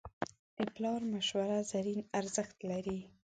د پلار مشوره زرین ارزښت لري.